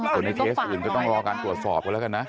ส่วนในเคสอื่นก็ต้องรอการตรวจสอบกันแล้วกันนะ